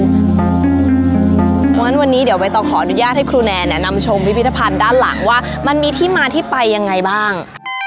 เพราะฉะนั้นวันนี้เดี๋ยวใบตองขออนุญาตให้ครูแนนแนะนำชมพิพิธภัณฑ์ด้านหลังว่ามันมีที่มาที่ไปยังไงบ้าง